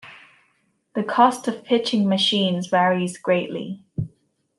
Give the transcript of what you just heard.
The cost of pitching machines varies greatly.